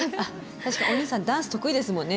確かお兄さんダンス得意ですもんね。